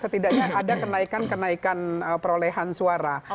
setidaknya ada kenaikan kenaikan perolehan suara